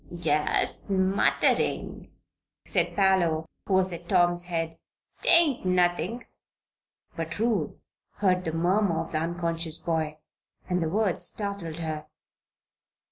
"Jest mutterin'," said Parloe, who was at Tom's head. "'Tain't nothin'" But Ruth heard the murmur of the unconscious boy, and the words startled her.